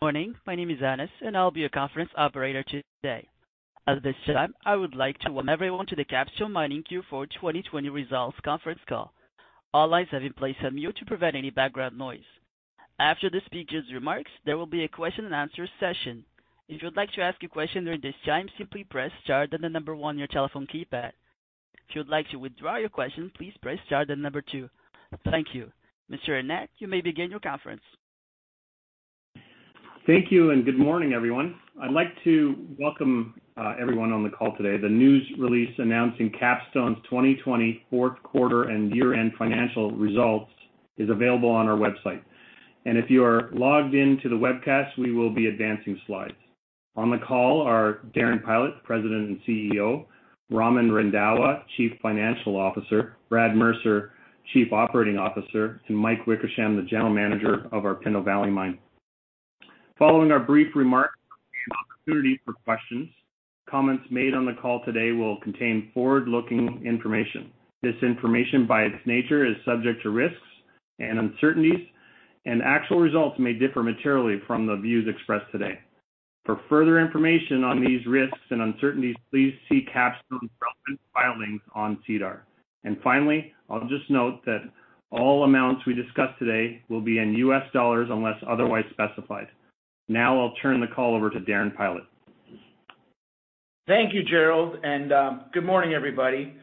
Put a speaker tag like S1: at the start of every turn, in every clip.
S1: Morning. My name is Anis, and I'll be your Conference Operator today. At this time, I would like to welcome everyone to the Capstone Mining Q4 2020 Results Conference Call. All lines have been placed on mute to prevent any background noise. After the speakers' remarks, there will be a question and answer session. If you'd like to ask a question during this time, simply press star then the number one on your telephone keypad. If you'd like to withdraw your question, please press star then number two. Thank you. Mr. Annett, you may begin your conference.
S2: Thank you, and good morning, everyone. I'd like to welcome everyone on the call today. The news release announcing Capstone's 2020 fourth quarter and year-end financial results is available on our website. If you are logged in to the webcast, we will be advancing slides. On the call are Darren Pylot, President and CEO, Raman Randhawa, Chief Financial Officer, Brad Mercer, Chief Operating Officer, and Mike Wickersham, the General Manager of our Pinto Valley Mine. Following our brief remarks will be an opportunity for questions. Comments made on the call today will contain forward-looking information. This information, by its nature, is subject to risks and uncertainties, and actual results may differ materially from the views expressed today. For further information on these risks and uncertainties, please see Capstone's relevant filings on SEDAR. Finally, I'll just note that all amounts we discuss today will be in US dollars unless otherwise specified. Now I'll turn the call over to Darren Pylot.
S3: Thank you, Jerrold, and good morning, everybody.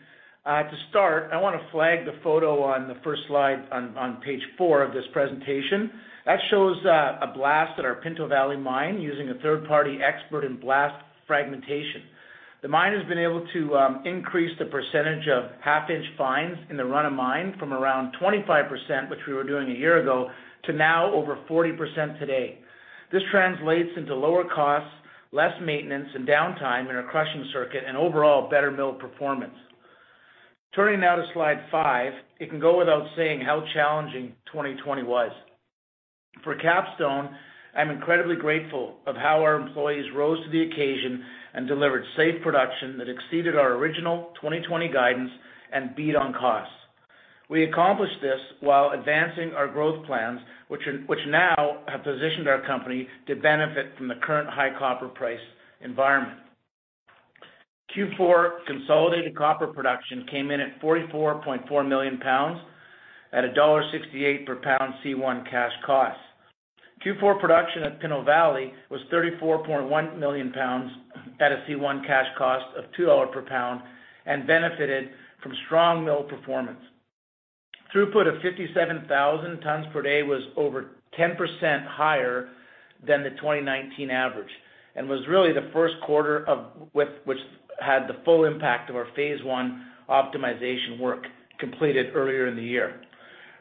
S3: To start, I want to flag the photo on the first slide on page four of this presentation. That shows a blast at our Pinto Valley Mine using a third-party expert in blast fragmentation. The mine has been able to increase the percentage of half-inch fines in the run of mine from around 25%, which we were doing a year ago, to now over 40% today. This translates into lower costs, less maintenance, and downtime in our crushing circuit, and overall better mill performance. Turning now to slide five, it can go without saying how challenging 2020 was. For Capstone, I'm incredibly grateful of how our employees rose to the occasion and delivered safe production that exceeded our original 2020 guidance and beat on costs. We accomplished this while advancing our growth plans, which now have positioned our company to benefit from the current high copper price environment. Q4 consolidated copper production came in at 44.4 million pounds at a $1.68 per pound C1 cash cost. Q4 production at Pinto Valley was 34.1 million pounds at a C1 cash cost of $2 per pound and benefited from strong mill performance. Throughput of 57,000 tons per day was over 10% higher than the 2019 average and was really the first quarter which had the full impact of our phase one optimization work completed earlier in the year.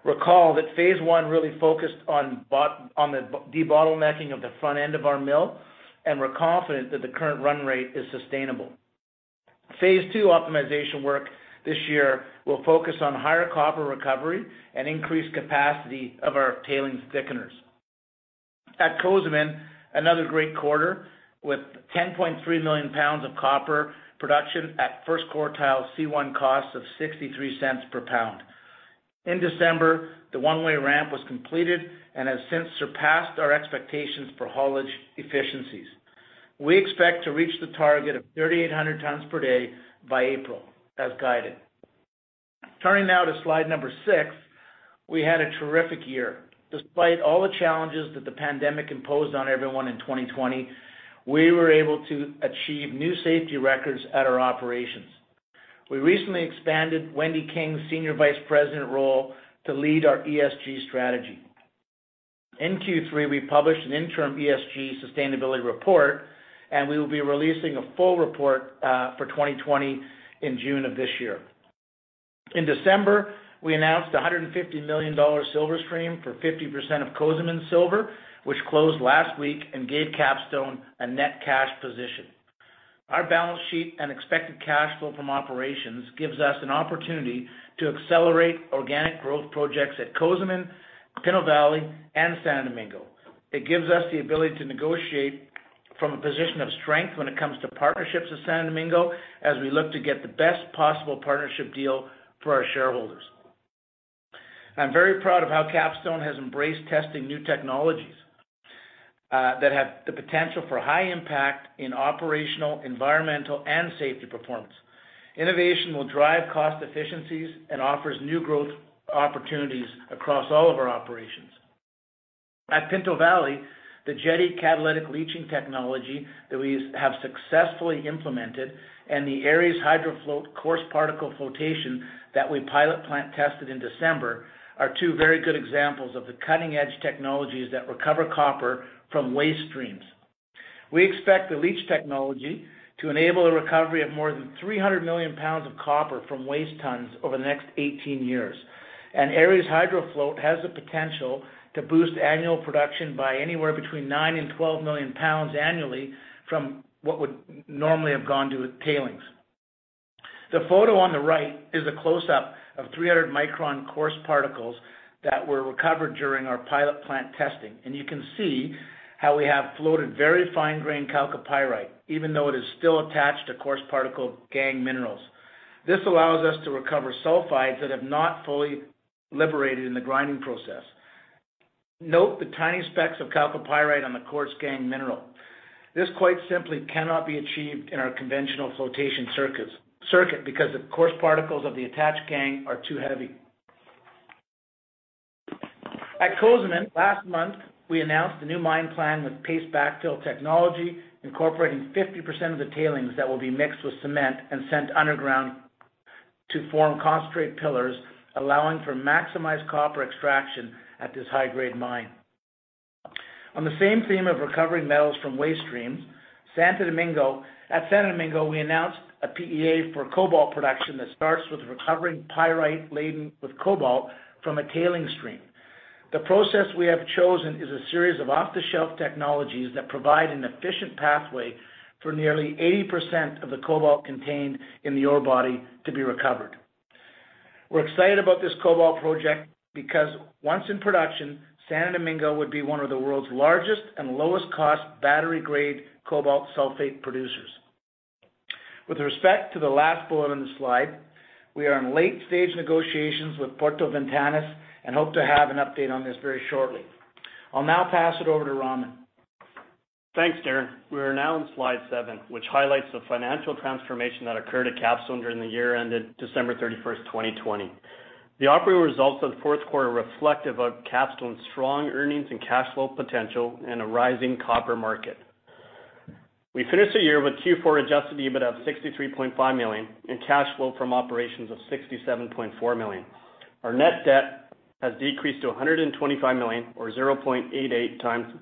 S3: Recall that phase one really focused on the debottlenecking of the front end of our mill, and we're confident that the current run rate is sustainable. Phase two optimization work this year will focus on higher copper recovery and increased capacity of our tailings thickeners. At Cozamin, another great quarter with 10.3 million pounds of copper production at first quartile C1 cost of $0.63 per pound. In December, the one-way ramp was completed and has since surpassed our expectations for haulage efficiencies. We expect to reach the target of 3,800 tons per day by April, as guided. Turning now to slide number six, we had a terrific year. Despite all the challenges that the pandemic imposed on everyone in 2020, we were able to achieve new safety records at our operations. We recently expanded Wendy King's Senior Vice President role to lead our ESG strategy. In Q3, we published an interim ESG sustainability report, and we will be releasing a full report for 2020 in June of this year. In December, we announced a $150 million silver stream for 50% of Cozamin silver, which closed last week and gave Capstone a net cash position. Our balance sheet and expected cash flow from operations gives us an opportunity to accelerate organic growth projects at Cozamin, Pinto Valley, and Santo Domingo. It gives us the ability to negotiate from a position of strength when it comes to partnerships with Santo Domingo, as we look to get the best possible partnership deal for our shareholders. I'm very proud of how Capstone has embraced testing new technologies that have the potential for high impact in operational, environmental, and safety performance. Innovation will drive cost efficiencies and offers new growth opportunities across all of our operations. At Pinto Valley, the Jetti catalytic leaching technology that we have successfully implemented and the Eriez HydroFloat coarse particle flotation that we pilot plant tested in December are two very good examples of the cutting-edge technologies that recover copper from waste streams. We expect the leach technology to enable the recovery of more than 300 million pounds of copper from waste tons over the next 18 years. Eriez HydroFloat has the potential to boost annual production by anywhere between 9 million pounds and 12 million pounds annually from what would normally have gone to the tailings. The photo on the right is a close-up of 300-micron coarse particles that were recovered during our pilot plant testing, and you can see how we have floated very fine-grain chalcopyrite, even though it is still attached to coarse particle gangue minerals. This allows us to recover sulfides that have not fully liberated in the grinding process. Note the tiny specks of chalcopyrite on the coarse gangue mineral. This quite simply cannot be achieved in our conventional flotation circuit because the coarse particles of the attached gangue are too heavy. At Cozamin last month, we announced the new mine plan with paste backfill technology incorporating 50% of the tailings that will be mixed with cement and sent underground to form concentrate pillars, allowing for maximized copper extraction at this high-grade mine. On the same theme of recovering metals from waste streams, at Santo Domingo, we announced a PEA for cobalt production that starts with recovering pyrite laden with cobalt from a tailing stream. The process we have chosen is a series of off-the-shelf technologies that provide an efficient pathway for nearly 80% of the cobalt contained in the ore body to be recovered. We're excited about this cobalt project because once in production, Santo Domingo would be one of the world's largest and lowest cost battery-grade cobalt sulfate producers. With respect to the last bullet on the slide, we are in late-stage negotiations with Puerto Ventanas and hope to have an update on this very shortly. I'll now pass it over to Raman.
S4: Thanks, Darren. We are now on slide seven, which highlights the financial transformation that occurred at Capstone during the year ended December 31st, 2020. The operating results of the fourth quarter are reflective of Capstone's strong earnings and cash flow potential in a rising copper market. We finished the year with Q4 adjusted EBITDA of $63.5 million and cash flow from operations of $67.4 million. Our net debt has decreased to $125 million or 0.88x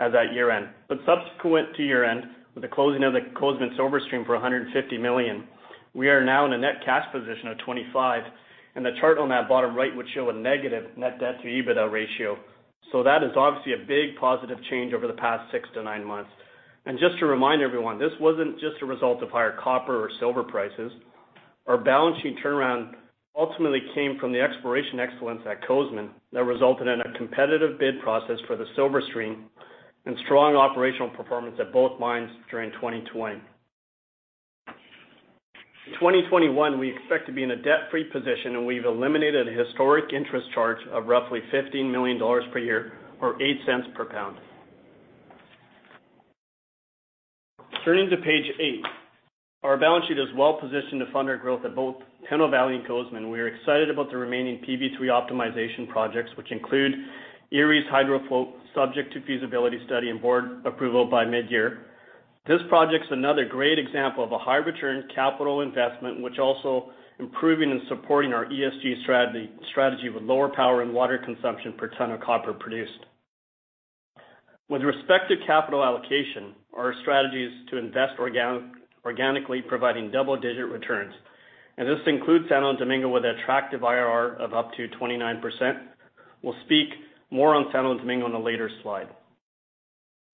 S4: as at year-end. Subsequent to year-end, with the closing of the Cozamin silver stream for $150 million, we are now in a net cash position of $25 million, and the chart on that bottom right would show a negative net debt to EBITDA ratio. That is obviously a big positive change over the past six to nine months. Just to remind everyone, this wasn't just a result of higher copper or silver prices. Our balance sheet turnaround ultimately came from the exploration excellence at Cozamin that resulted in a competitive bid process for the silver stream and strong operational performance at both mines during 2020. In 2021, we expect to be in a debt-free position, and we've eliminated a historic interest charge of roughly $15 million per year or $0.08 per pound. Turning to page eight. Our balance sheet is well positioned to fund our growth at both Pinto Valley and Cozamin. We are excited about the remaining PV3 optimization projects, which include Eriez HydroFloat, subject to feasibility study and board approval by mid-year. This project's another great example of a high return capital investment, which also improving and supporting our ESG strategy with lower power and water consumption per ton of copper produced. With respect to capital allocation, our strategy is to invest organically, providing double-digit returns. This includes Santo Domingo with an attractive IRR of up to 29%. We'll speak more on Santo Domingo on a later slide.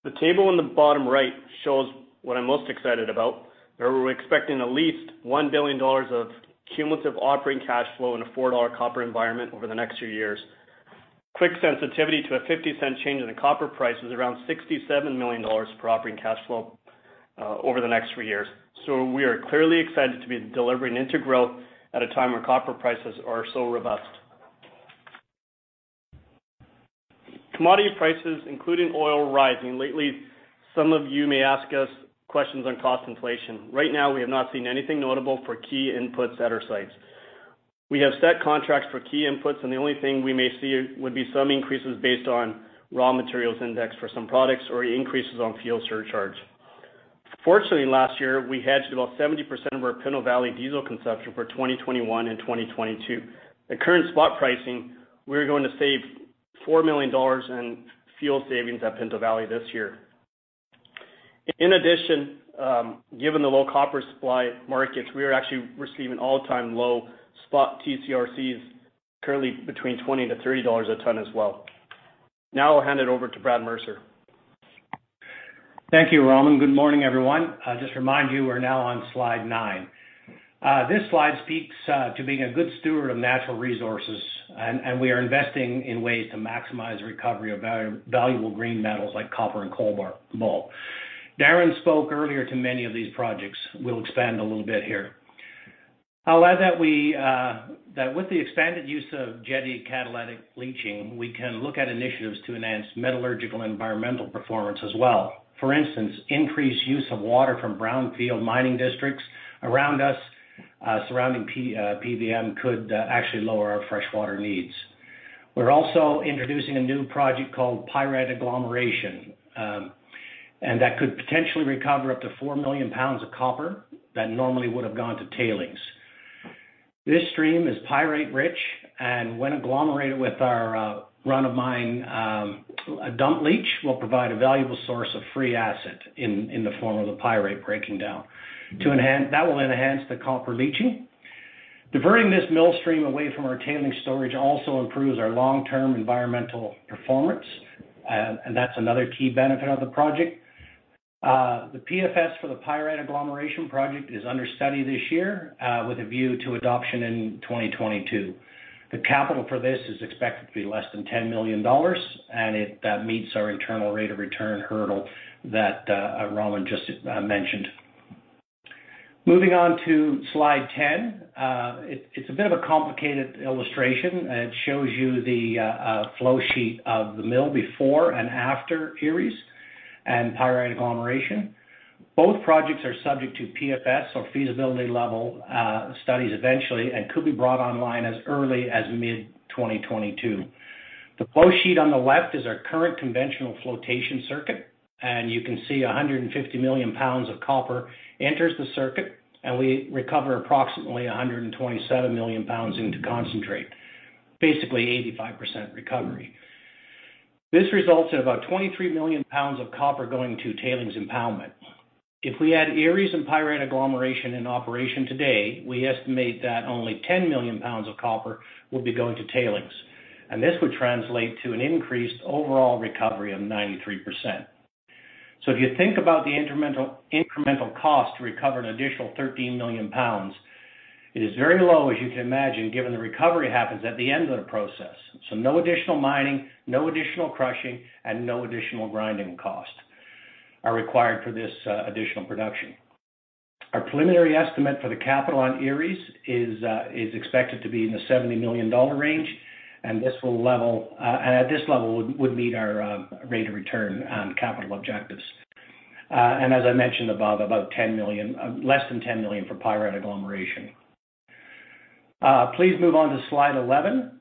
S4: The table on the bottom right shows what I'm most excited about, where we're expecting at least $1 billion of cumulative operating cash flow in a $4 copper environment over the next few years. Quick sensitivity to a $0.50 change in the copper price is around $67 million per operating cash flow, over the next three years. We are clearly excited to be delivering into growth at a time where copper prices are so robust. Commodity prices, including oil rising. Lately, some of you may ask us questions on cost inflation. Right now, we have not seen anything notable for key inputs at our sites. We have set contracts for key inputs. The only thing we may see would be some increases based on raw materials index for some products or increases on fuel surcharge. Fortunately, last year, we hedged about 70% of our Pinto Valley diesel consumption for 2021 and 2022. At current spot pricing, we are going to save $4 million in fuel savings at Pinto Valley this year. In addition, given the low copper supply markets, we are actually receiving all-time low spot TC/RCs, currently between $20-$30 a ton as well. Now I'll hand it over to Brad Mercer.
S5: Thank you, Raman. Good morning, everyone. Just remind you, we're now on slide nine. This slide speaks to being a good steward of natural resources, and we are investing in ways to maximize recovery of valuable green metals like copper and cobalt. Darren spoke earlier to many of these projects. We'll expand a little bit here. I'll add that with the expanded use of Jetti catalytic leaching, we can look at initiatives to enhance metallurgical and environmental performance as well. For instance, increased use of water from brownfield mining districts around us, surrounding PVM, could actually lower our freshwater needs. We're also introducing a new project called pyrite agglomeration, and that could potentially recover up to four million pounds of copper that normally would have gone to tailings. This stream is pyrite rich, and when agglomerated with our run of mine dump leach, will provide a valuable source of free acid in the form of the pyrite breaking down. That will enhance the copper leaching. Diverting this mill stream away from our tailing storage also improves our long-term environmental performance, and that's another key benefit of the project. The PFS for the pyrite agglomeration project is under study this year, with a view to adoption in 2022. The capital for this is expected to be less than $10 million, and that meets our internal rate of return hurdle that Raman just mentioned. Moving on to slide 10. It's a bit of a complicated illustration. It shows you the flow sheet of the mill before and after Eriez and pyrite agglomeration. Both projects are subject to PFS or feasibility level studies eventually, and could be brought online as early as mid-2022. The flow sheet on the left is our current conventional flotation circuit, and you can see 150 million pounds of copper enters the circuit, and we recover approximately 127 million pounds into concentrate. Basically, 85% recovery. This results in about 23 million pounds of copper going to tailings impoundment. If we add Eriez and pyrite agglomeration in operation today, we estimate that only 10 million pounds of copper will be going to tailings. This would translate to an increased overall recovery of 93%. If you think about the incremental cost to recover an additional 13 million pounds, it is very low, as you can imagine, given the recovery happens at the end of the process. No additional mining, no additional crushing, and no additional grinding cost are required for this additional production. Our preliminary estimate for the capital on Eriez is expected to be in the $70 million range. At this level, would meet our rate of return on capital objectives. As I mentioned above, less than $10 million for pyrite agglomeration. Please move on to slide 11.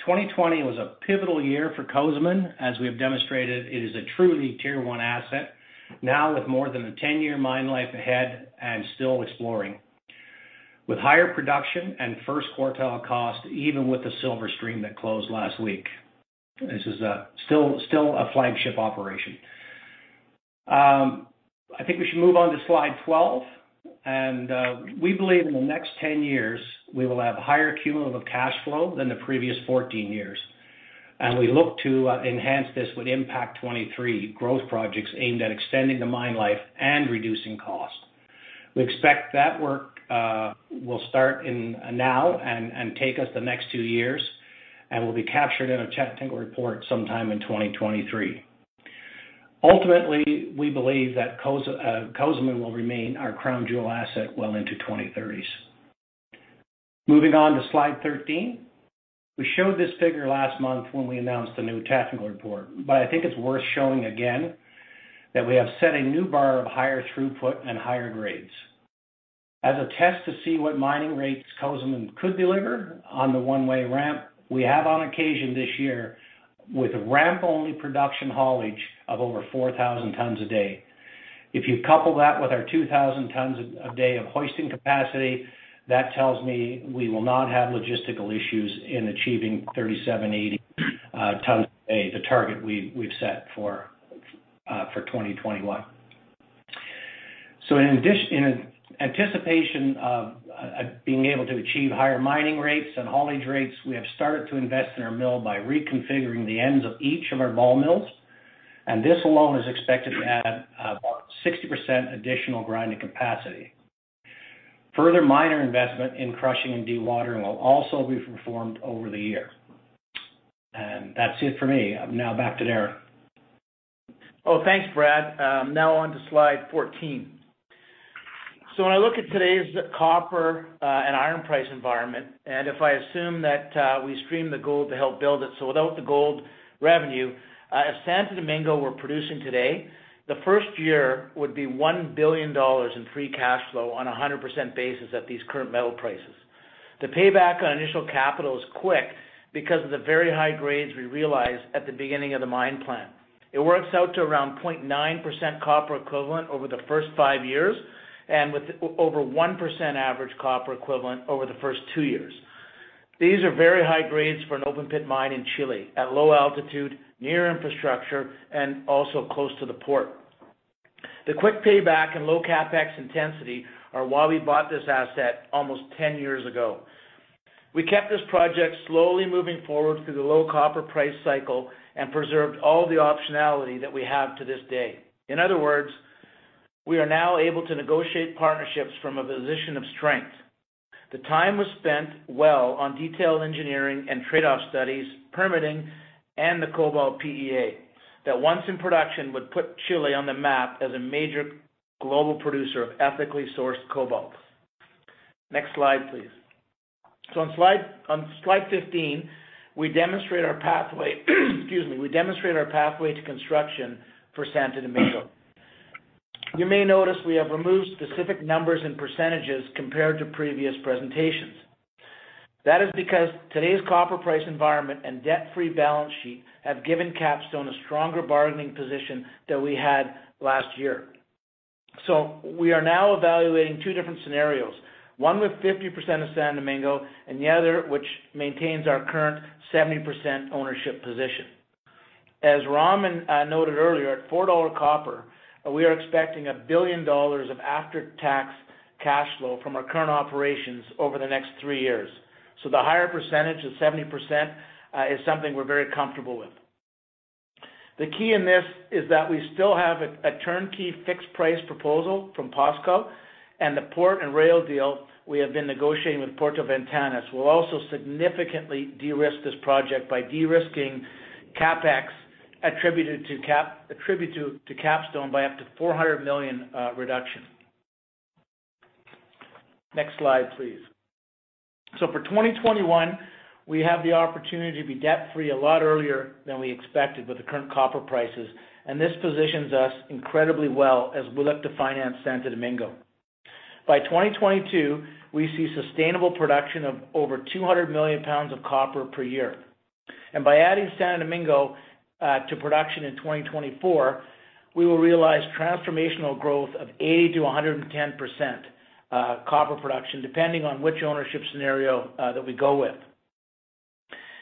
S5: 2020 was a pivotal year for Cozamin. As we have demonstrated, it is a truly tier 1 asset, now with more than a 10-year mine life ahead and still exploring. With higher production and first quartile cost, even with the silver stream that closed last week. This is still a flagship operation. I think we should move on to slide 12. We believe in the next 10 years, we will have higher cumulative cash flow than the previous 14 years. We look to enhance this with Impact 23 growth projects aimed at extending the mine life and reducing cost. We expect that work will start now and take us the next two years, and will be captured in a technical report sometime in 2023. Ultimately, we believe that Cozamin will remain our crown jewel asset well into 2030s. Moving on to slide 13. We showed this figure last month when we announced the new technical report. I think it's worth showing again that we have set a new bar of higher throughput and higher grades. As a test to see what mining rates Cozamin could deliver on the one-way ramp, we have on occasion this year with ramp-only production haulage of over 4,000 tons a day. If you couple that with our 2,000 tons a day of hoisting capacity, that tells me we will not have logistical issues in achieving 3,780 tons a day, the target we've set for 2021. In anticipation of being able to achieve higher mining rates and haulage rates, we have started to invest in our mill by reconfiguring the ends of each of our ball mills, and this alone is expected to add about 60% additional grinding capacity. Further minor investment in crushing and dewatering will also be performed over the year. That's it for me. Now back to Darren.
S3: Thanks, Brad. Now on to slide 14. When I look at today's copper and iron price environment, if I assume that we stream the gold to help build it, so without the gold revenue, if Santo Domingo were producing today, the first year would be $1 billion in free cash flow on 100% basis at these current metal prices. The payback on initial capital is quick because of the very high grades we realized at the beginning of the mine plan. It works out to around 0.9% copper equivalent over the first five years, with over 1% average copper equivalent over the first two years. These are very high grades for an open-pit mine in Chile, at low altitude, near infrastructure, and also close to the port. The quick payback and low CapEx intensity are why we bought this asset almost 10 years ago. We kept this project slowly moving forward through the low copper price cycle and preserved all the optionality that we have to this day. In other words, we are now able to negotiate partnerships from a position of strength. The time was spent well on detailed engineering and trade-off studies, permitting, and the cobalt PEA that once in production, would put Chile on the map as a major global producer of ethically sourced cobalt. Next slide, please. On slide 15, we demonstrate our pathway to construction for Santo Domingo. You may notice we have removed specific numbers and percentages compared to previous presentations. That is because today's copper price environment and debt-free balance sheet have given Capstone a stronger bargaining position than we had last year. We are now evaluating two different scenarios, one with 50% of Santo Domingo and the other, which maintains our current 70% ownership position. As Raman noted earlier, at $4 copper, we are expecting $1 billion of after-tax cash flow from our current operations over the next three years. The higher percentage of 70% is something we're very comfortable with. The key in this is that we still have a turnkey fixed price proposal from POSCO and the port and rail deal we have been negotiating with Puerto Ventanas will also significantly de-risk this project by de-risking CapEx attributed to Capstone by up to $400 million reduction. Next slide, please. For 2021, we have the opportunity to be debt-free a lot earlier than we expected with the current copper prices, and this positions us incredibly well as we look to finance Santo Domingo. By 2022, we see sustainable production of over 200 million pounds of copper per year. By adding Santo Domingo to production in 2024, we will realize transformational growth of 80%-110% copper production, depending on which ownership scenario that we go with.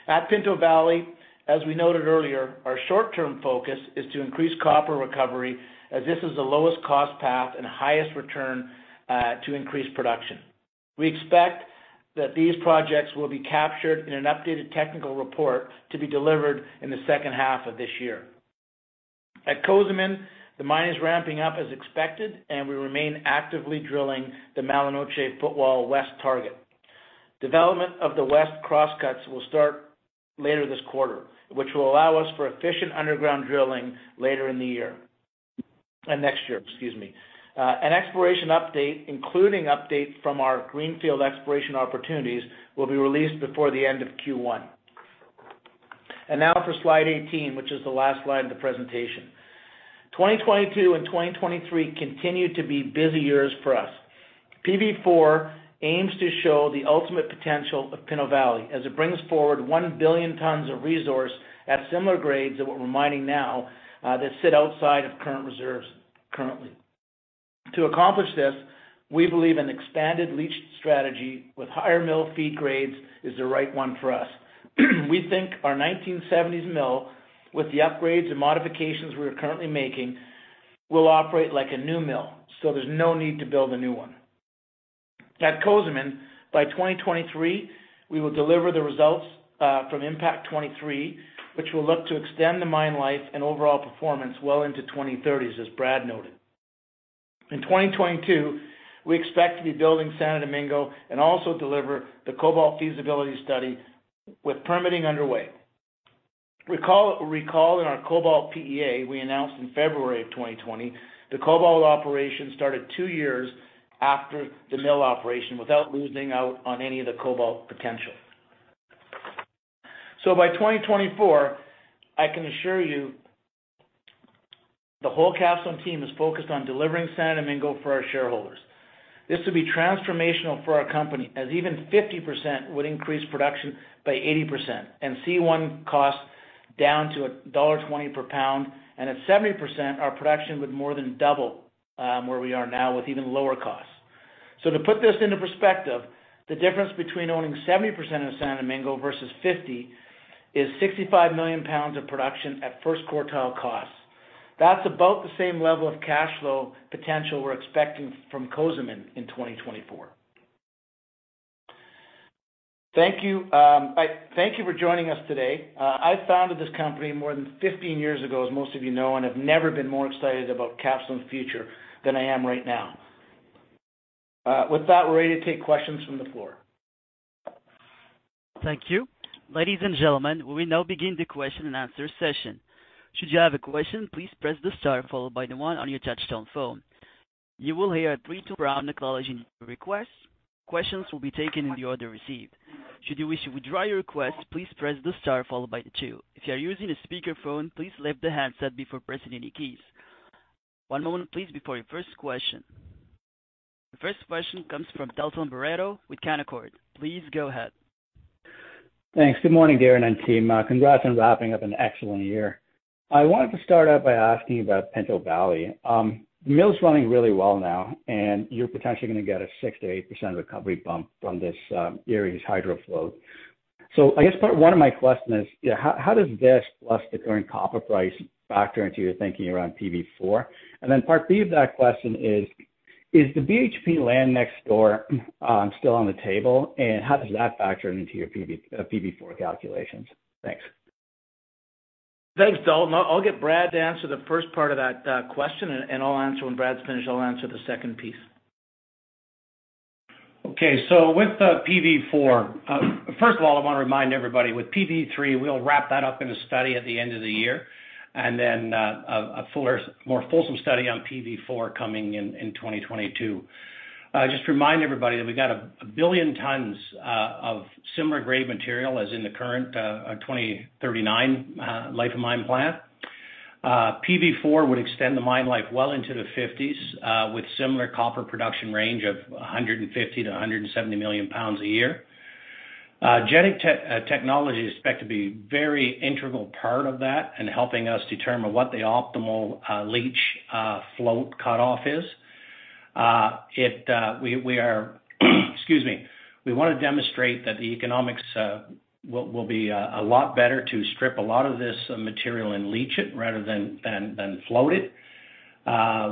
S3: At Pinto Valley, as we noted earlier, our short-term focus is to increase copper recovery as this is the lowest cost path and highest return to increase production. We expect that these projects will be captured in an updated technical report to be delivered in the second half of this year. At Cozamin, the mine is ramping up as expected, and we remain actively drilling the Mala Noche Footwall West target. Development of the west cross cuts will start later this quarter, which will allow us for efficient underground drilling later in the year. Next year, excuse me. An exploration update, including updates from our greenfield exploration opportunities, will be released before the end of Q1. Now for slide 18, which is the last slide of the presentation. 2022 and 2023 continue to be busy years for us. PV4 aims to show the ultimate potential of Pinto Valley as it brings forward 1 billion tons of resource at similar grades that what we're mining now, that sit outside of current reserves currently. To accomplish this, we believe an expanded leach strategy with higher mill feed grades is the right one for us. We think our 1970s mill, with the upgrades and modifications we are currently making, will operate like a new mill. There's no need to build a new one. At Cozamin, by 2023, we will deliver the results from Impact 23, which will look to extend the mine life and overall performance well into 2030s, as Brad noted. In 2022, we expect to be building Santo Domingo and also deliver the cobalt feasibility study with permitting underway. Recall, in our cobalt PEA we announced in February of 2020, the cobalt operation started two years after the mill operation without losing out on any of the cobalt potential. By 2024, I can assure you the whole Capstone team is focused on delivering Santo Domingo for our shareholders. This would be transformational for our company, as even 50% would increase production by 80%, and C1 costs down to $1.20 per pound. At 70%, our production would more than double, where we are now with even lower costs. To put this into perspective, the difference between owning 70% of Santo Domingo versus 50% is 65 million pounds of production at first quartile costs. That's about the same level of cash flow potential we're expecting from Cozamin in 2024. Thank you for joining us today. I founded this company more than 15 years ago, as most of you know, and have never been more excited about Capstone's future than I am right now. With that, we're ready to take questions from the floor.
S1: Thank you. Ladies and gentlemen, we now begin the question and answer session. Should you have a question, please press the star followed by the one on your touchtone phone. You will hear a three-tone prompt acknowledging your request. Questions will be taken in the order received. Should you wish to withdraw your request, please press the star followed by the two. If you are using a speakerphone, please lift the handset before pressing any keys. One moment please, before your first question. The first question comes from Dalton Baretto with Canaccord. Please go ahead.
S6: Thanks. Good morning, Darren and team. Congrats on wrapping up an excellent year. I wanted to start out by asking about Pinto Valley. Mill's running really well now, and you're potentially going to get a 6%-8% recovery bump from this year's HydroFloat. I guess part one of my question is, how does this plus the current copper price factor into your thinking around PV4? Part B of that question is the BHP land next door still on the table, and how does that factor into your PV4 calculations? Thanks.
S3: Thanks, Dalton. I'll get Brad to answer the first part of that question, and when Brad's finished, I'll answer the second piece.
S5: With the PV4, first of all, I want to remind everybody, with PV3, we'll wrap that up in a study at the end of the year, and then a more fulsome study on PV4 coming in in 2022. Just remind everybody that we've got a billion tons of similar grade material as in the current 2039 life of mine plan. PV4 would extend the mine life well into the 50s, with similar copper production range of 150 million-170 million pounds a year. Jetti technology is expected to be very integral part of that and helping us determine what the optimal leach float cutoff is. We want to demonstrate that the economics will be a lot better to strip a lot of this material and leach it rather than float it.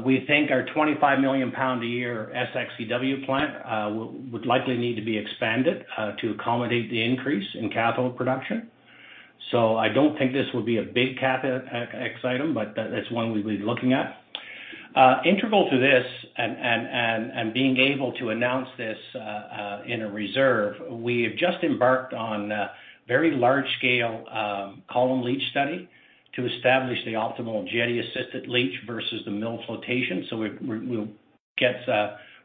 S5: We think our 25 million pound a year SXEW plant would likely need to be expanded to accommodate the increase in copper production. I don't think this would be a big CapEx item, but that's one we'd be looking at. Integral to this, and being able to announce this in a reserve, we have just embarked on a very large-scale column leach study to establish the optimal Jetti-assisted leach versus the mill flotation.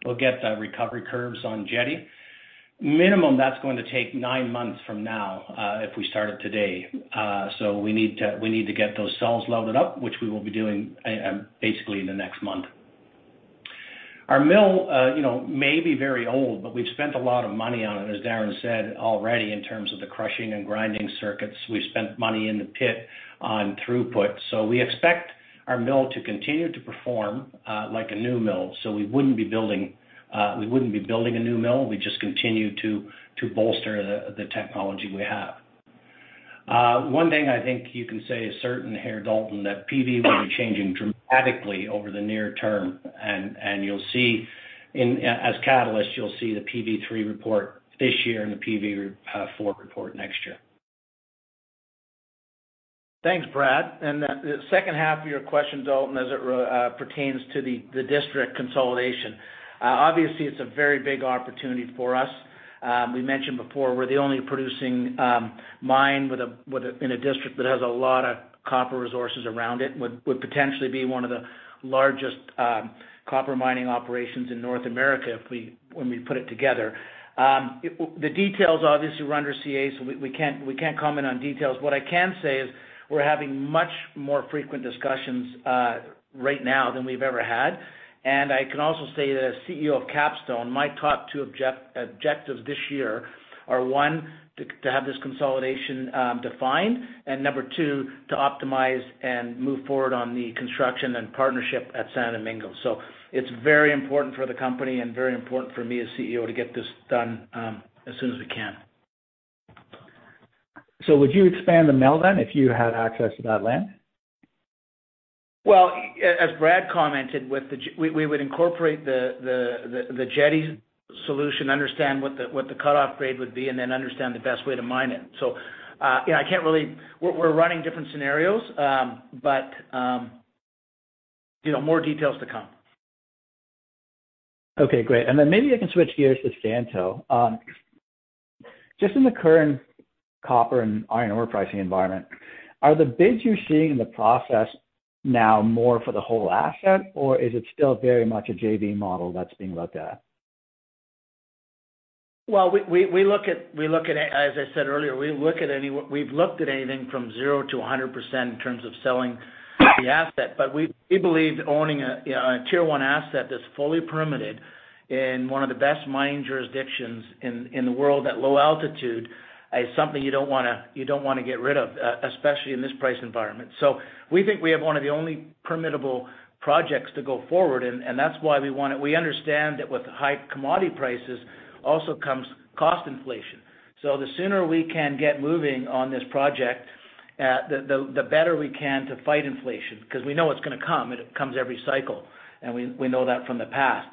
S5: We'll get the recovery curves on Jetti. Minimum, that's going to take nine months from now, if we started today. We need to get those cells loaded up, which we will be doing basically in the next month. Our mill may be very old, but we've spent a lot of money on it, as Darren said already, in terms of the crushing and grinding circuits. We've spent money in the pit on throughput. We expect our mill to continue to perform like a new mill. We wouldn't be building a new mill. We'd just continue to bolster the technology we have. One thing I think you can say is certain here, Dalton, that PV will be changing dramatically over the near term, and as catalyst, you'll see the PV3 report this year and the PV4 report next year.
S3: Thanks, Brad. The second half of your question, Dalton, as it pertains to the district consolidation. Obviously, it's a very big opportunity for us. We mentioned before, we're the only producing mine in a district that has a lot of copper resources around it. Would potentially be one of the largest copper mining operations in North America, when we put it together. The details, obviously, we're under CA, so we can't comment on details. What I can say is we're having much more frequent discussions right now than we've ever had. I can also say that as CEO of Capstone, my top two objectives this year are, one, to have this consolidation defined, and number two, to optimize and move forward on the construction and partnership at Santo Domingo. It's very important for the company and very important for me as CEO to get this done as soon as we can.
S6: Would you expand the mill then if you had access to that land?
S3: Well, as Brad commented, we would incorporate the Jetti solution, understand what the cutoff grade would be, and then understand the best way to mine it. We're running different scenarios, but more details to come.
S6: Okay, great. Maybe I can switch gears to Santo. Just in the current copper and iron ore pricing environment, are the bids you're seeing in the process now more for the whole asset, or is it still very much a JV model that's being looked at?
S3: Well, as I said earlier, we've looked at anything from 0%-100% in terms of selling the asset. We believe owning a Tier 1 asset that's fully permitted in one of the best mining jurisdictions in the world at low altitude is something you don't want to get rid of, especially in this price environment. We think we have one of the only permittable projects to go forward, and that's why we want it. We understand that with high commodity prices also comes cost inflation. The sooner we can get moving on this project, the better we can to fight inflation, because we know it's going to come. It comes every cycle, and we know that from the past.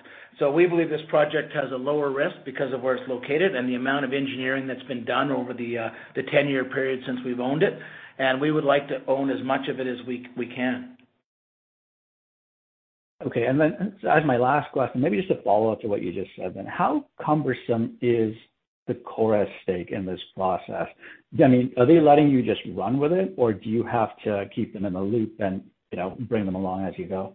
S3: We believe this project has a lower risk because of where it's located and the amount of engineering that's been done over the 10-year period since we've owned it, and we would like to own as much of it as we can.
S6: Okay, then as my last question, maybe just a follow-up to what you just said then. How cumbersome is the Korea Resources stake in this process? Are they letting you just run with it, or do you have to keep them in the loop and bring them along as you go?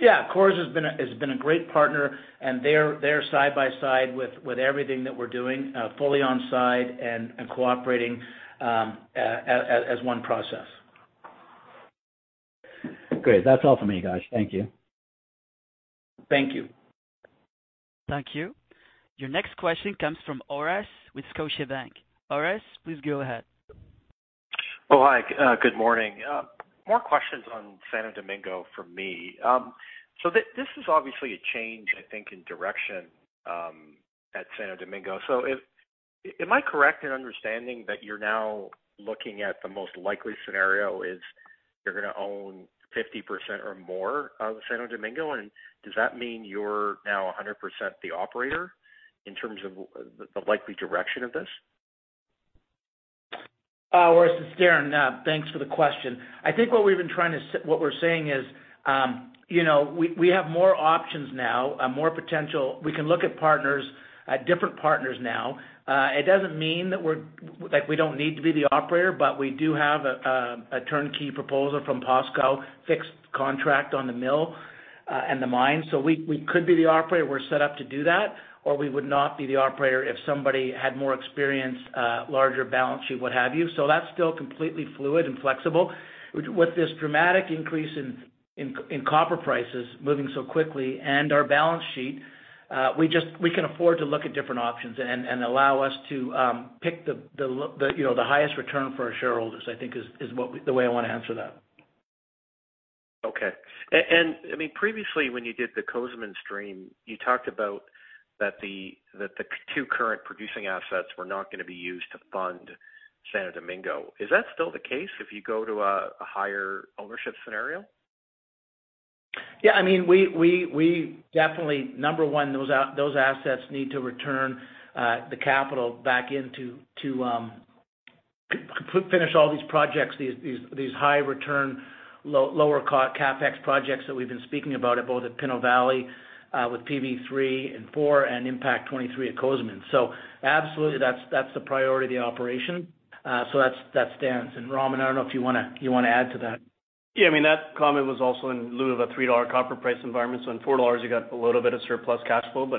S3: Yeah. Korea Resources Corporation has been a great partner, and they're there side by side with everything that we're doing, fully on side and cooperating as one process.
S6: Great. That's all for me, guys. Thank you.
S3: Thank you.
S1: Thank you. Your next question comes from Orest with Scotiabank. Orest, please go ahead.
S7: Hi. Good morning. More questions on Santo Domingo from me. This is obviously a change, I think, in direction at Santo Domingo. Am I correct in understanding that you're now looking at the most likely scenario is you're going to own 50% or more of Santo Domingo? Does that mean you're now 100% the operator in terms of the likely direction of this?
S3: Orest, it's Darren. Thanks for the question. I think what we're saying is we have more options now, more potential. We can look at different partners now. It doesn't mean that we don't need to be the operator, but we do have a turnkey proposal from POSCO, fixed contract on the mill and the mine. We could be the operator. We're set up to do that, or we would not be the operator if somebody had more experience, larger balance sheet, what have you. That's still completely fluid and flexible. With this dramatic increase in copper prices moving so quickly and our balance sheet, we can afford to look at different options and allow us to pick the highest return for our shareholders, I think, is the way I want to answer that.
S7: Okay. Previously, when you did the Cozamin stream, you talked about that the two current producing assets were not going to be used to fund Santo Domingo. Is that still the case if you go to a higher ownership scenario?
S3: Yeah, definitely, number one, those assets need to return the capital back into all these projects, these high return, lower CapEx projects that we've been speaking about, both at Pinto Valley with PV3 and PV4 and Impact 23 at Cozamin. Absolutely, that's the priority of the operation. That stands. Raman, I don't know if you want to add to that.
S4: That comment was also in lieu of a $3 copper price environment. In $4 you got a little bit of surplus cash flow.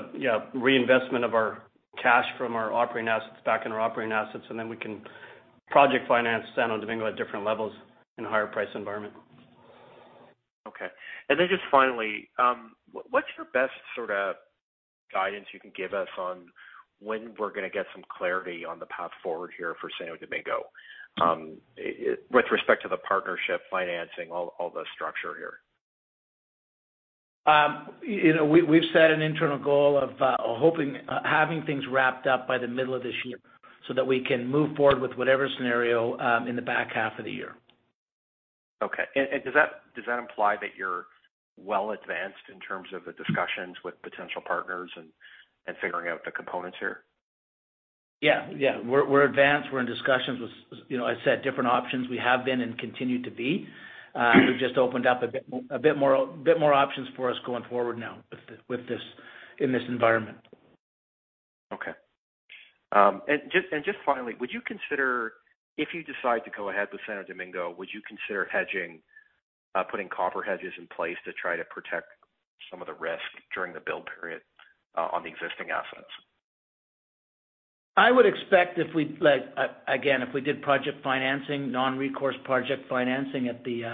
S4: Reinvestment of our cash from our operating assets back in our operating assets, and then we can project finance Santo Domingo at different levels in a higher price environment.
S7: Okay. Just finally, what's your best sort of guidance you can give us on when we're going to get some clarity on the path forward here for Santo Domingo with respect to the partnership financing, all the structure here?
S3: We've set an internal goal of hoping, having things wrapped up by the middle of this year so that we can move forward with whatever scenario, in the back half of the year.
S7: Okay. Does that imply that you're well advanced in terms of the discussions with potential partners and figuring out the components here?
S3: Yeah. We're advanced. We're in discussions with, I said, different options. We have been and continue to be. We've just opened up a bit more options for us going forward now in this environment.
S7: Okay. Just finally, would you consider, if you decide to go ahead with Santo Domingo, would you consider hedging, putting copper hedges in place to try to protect some of the risk during the build period, on the existing assets?
S3: I would expect if we, again, if we did project financing, non-recourse project financing at the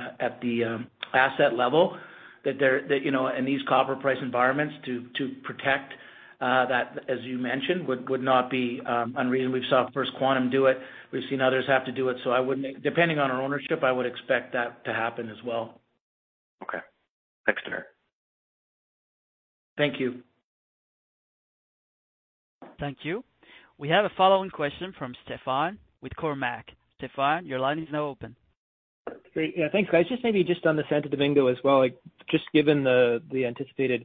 S3: asset level that in these copper price environments to protect that, as you mentioned, would not be unreasonable. We've seen First Quantum do it. We've seen others have to do it. Depending on our ownership, I would expect that to happen as well.
S7: Okay. Thanks, Darren.
S3: Thank you.
S1: Thank you. We have a following question from Stefan with Cormark. Stefan, your line is now open.
S8: Great. Yeah, thanks, guys. Just maybe just on the Santo Domingo as well, just given the anticipated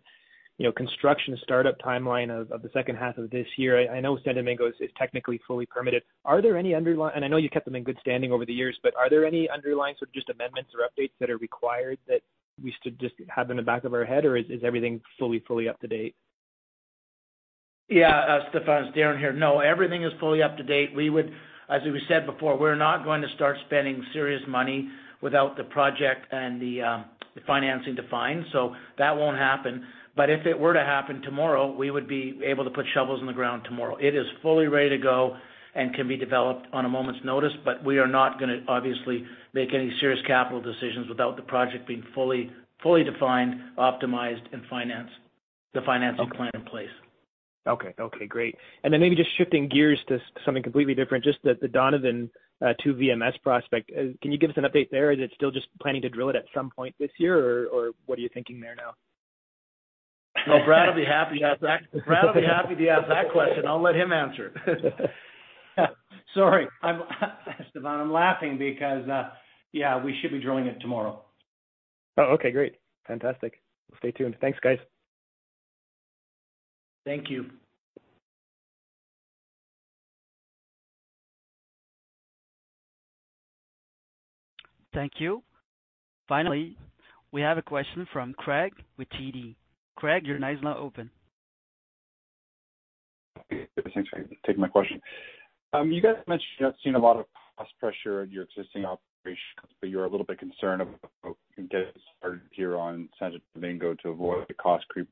S8: construction startup timeline of the second half of this year. I know Santo Domingo is technically fully permitted. I know you've kept them in good standing over the years, but are there any underlying sort of just amendments or updates that are required that we should just have in the back of our head, or is everything fully up to date?
S3: Yeah. Stefan, it's Darren here. No, everything is fully up to date. As we said before, we're not going to start spending serious money without the project and the financing defined. That won't happen. If it were to happen tomorrow, we would be able to put shovels in the ground tomorrow. It is fully ready to go and can be developed on a moment's notice, but we are not going to, obviously, make any serious capital decisions without the project being fully defined, optimized, and financed, the financing plan in place.
S8: Okay. Great. Maybe just shifting gears to something completely different, just the Donovan 2 VMS prospect. Can you give us an update there? Is it still just planning to drill it at some point this year, or what are you thinking there now?
S3: Brad will be happy to answer that question. I'll let him answer.
S5: Sorry, Stefan, I'm laughing because, yeah, we should be drilling it tomorrow.
S8: Oh, okay, great. Fantastic. We'll stay tuned. Thanks, guys.
S3: Thank you.
S1: Thank you. Finally, we have a question from Craig with TD. Craig, your line is now open.
S9: Okay. Thanks for taking my question. You guys mentioned you're not seeing a lot of cost pressure in your existing operations, but you're a little bit concerned about getting started here on Santo Domingo to avoid the cost creep.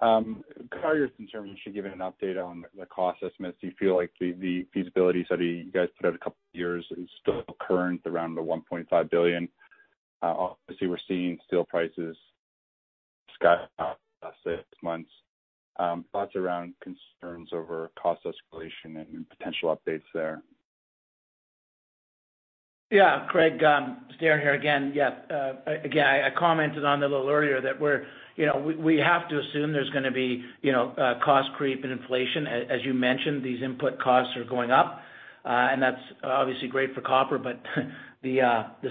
S9: Are you concerned we should give an update on the cost estimates? Do you feel like the feasibility study you guys put out a couple years is still current around the $1.5 billion? Obviously, we're seeing steel prices sky-rocket the past six months. Thoughts around concerns over cost escalation and potential updates there.
S3: Yeah, Craig. Darren here again. I commented on it a little earlier that we have to assume there's going to be cost creep and inflation. As you mentioned, these input costs are going up. That's obviously great for copper, but the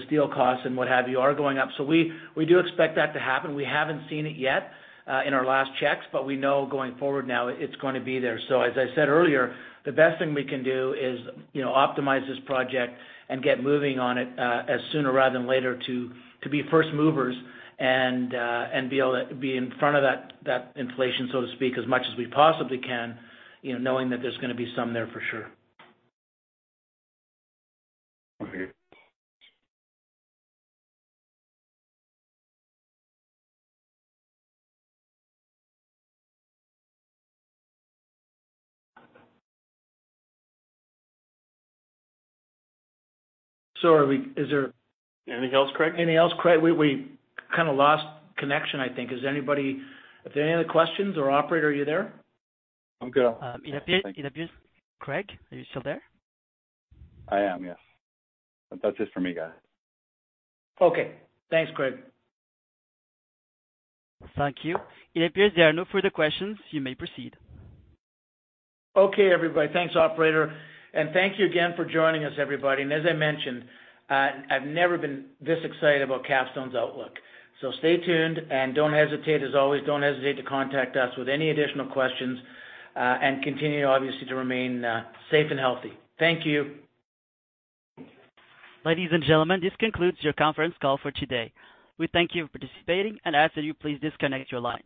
S3: steel costs and what have you are going up. We do expect that to happen. We haven't seen it yet in our last checks, but we know going forward now it's going to be there. As I said earlier, the best thing we can do is optimize this project and get moving on it as sooner rather than later to be first movers and be in front of that inflation, so to speak, as much as we possibly can, knowing that there's going to be some there for sure.
S9: Okay.
S3: So are we, is there-
S4: Anything else, Craig?
S3: Anything else, Craig? We kind of lost connection, I think. Is there any other questions, or operator, are you there?
S4: I'm good. It appears. Craig, are you still there?
S9: I am, yes. That's it for me, guys.
S3: Okay. Thanks, Craig.
S1: Thank you. It appears there are no further questions. You may proceed.
S3: Okay, everybody. Thanks, operator. Thank you again for joining us, everybody. As I mentioned, I've never been this excited about Capstone's outlook. Stay tuned, and don't hesitate, as always, don't hesitate to contact us with any additional questions. Continue, obviously, to remain safe and healthy. Thank you.
S1: Ladies and gentlemen, this concludes your conference call for today. We thank you for participating and ask that you please disconnect your lines.